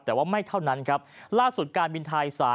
แต่ว่าไม่เท่านั้นครับล่าสุดการบินไทย